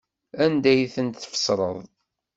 Anda ay tent-tfesreḍ?